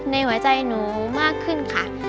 ในหัวใจหนูมากขึ้นค่ะ